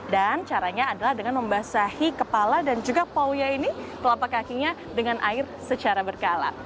dan caranya adalah dengan membasahi kepala dan juga paulia ini kelapa kakinya dengan air secara berkala